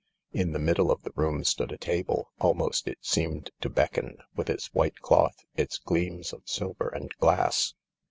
In the middle of the room stood a table — almost it seemed to beckon, with its white cloth, its gleams of silver ' and glass.